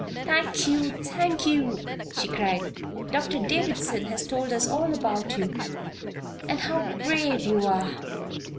"Thank you! thank you!" she cried. "Doctor Davison has told us all about you and how brave you are!